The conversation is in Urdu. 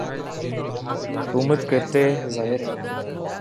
حکومت کرتے رہے ظاہر ہے